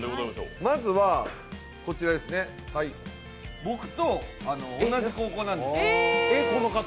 まずはこちらです、僕と同じ高校なんです。